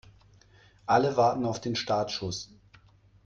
Alle warten auf den Startschuss.